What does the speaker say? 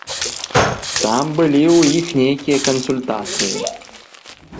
Там былі ў іх нейкія кансультацыі.